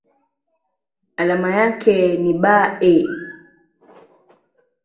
Alama yake ni Be.